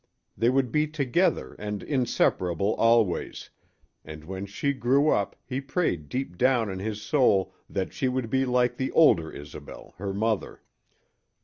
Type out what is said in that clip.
They would be together and inseparable always, and when she grew up he prayed deep down in his soul that she would be like the older Isobel, her mother.